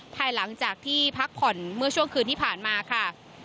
ภายหลังจากที่พักผ่อนเมื่อช่วงคืนที่ผ่านมาค่ะ